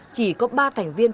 chỉ có ba thành viên